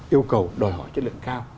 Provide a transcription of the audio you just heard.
yêu cầu đòi hỏi chất lượng cao